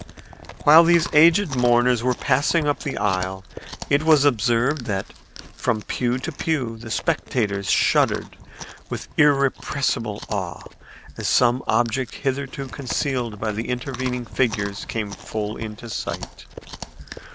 While these aged mourners were passing up the aisle it was observed that from pew to pew the spectators shuddered with irrepressible awe as some object hitherto concealed by the intervening figures came full in sight.